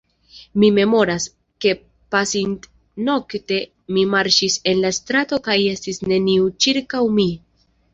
Mi memoras, ke pasintnokte mi marŝis en la strato kaj estis neniu ĉirkaŭ mi.